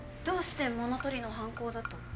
どうして物取りの犯行だと？